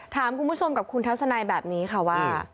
ถามคุณผู้ชมกับคุณทัศนัยแบบนี้ค่ะว่า